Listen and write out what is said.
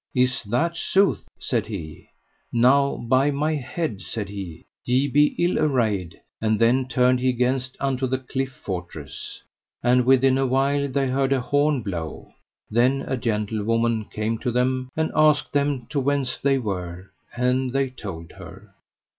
Is that sooth? said he. Now by my head, said he, ye be ill arrayed; and then turned he again unto the cliff fortress. And within a while they heard an horn blow. Then a gentlewoman came to them, and asked them of whence they were; and they told her.